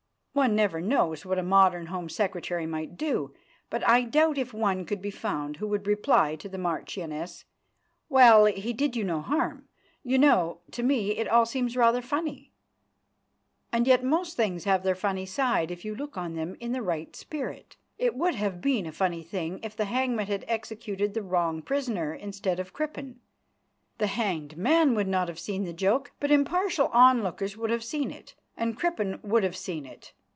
One never knows what a modern Home Secretary might do, but I doubt if one could be found who would reply to the marchioness: "Well, he did you no harm. You know, to me it all seems rather funny." And yet most things have their funny side if you look on them in the right spirit. It would have been a funny thing if the hangman had executed the wrong prisoner instead of Crippen. The hanged man would not have seen the joke, but impartial onlookers would have seen it, and Crippen would have seen it.